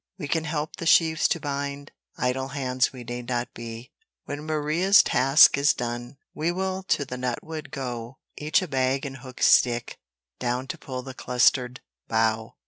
We can help the sheaves to bind: Idle hands we need not be. When Maria's task is done, We will to the nut wood go; Each a bag and hooked stick, Down to pull the cluster'd bough.